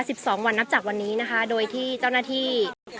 สิบสองวันนับจากวันนี้นะคะโดยที่เจ้าหน้าที่